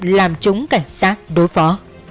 làm chúng cảnh sát đối phó